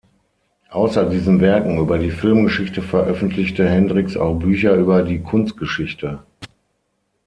Außer diesen Werken über die Filmgeschichte veröffentlichte Hendricks auch Bücher über die Kunstgeschichte.